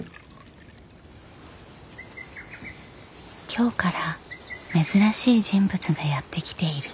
京から珍しい人物がやって来ている。